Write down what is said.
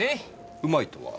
うまいとは？